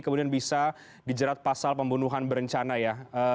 kemudian bisa dijerat pasal pembunuhan berencana ya